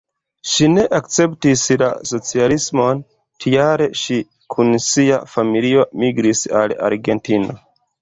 Ŝi ne akceptis la socialismon, tial ŝi kun sia familio migris al Argentino.